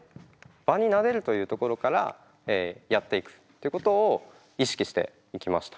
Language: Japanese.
場に慣れるというところからやっていくってことを意識していきました。